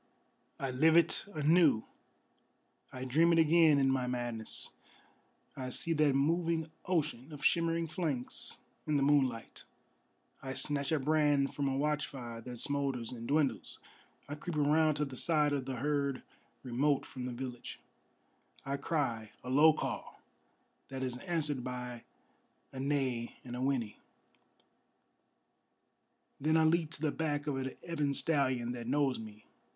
I live it anew, I dream it again in my madness. I see that moving ocean of shimmering flanks in the moonlight: I snatch a brand from a watchfire that smoulders and dwindles: I creep around to the side of the herd remote from the village: I cry, a low call, that is answered by a neigh and a whinny: Then I leap to the back of an ebon stallion that knows me.